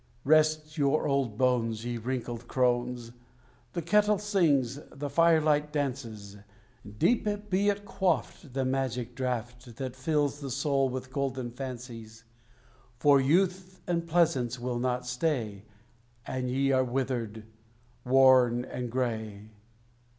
Rest your old bones, ye wrinkled crones! The kettle sings, the firelight dances. Deep be it quaffed, the magic draught That fills the soul with golden fancies! For Youth and Pleasance will not stay, And ye are withered, worn, and gray.